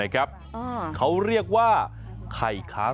คล้องกิน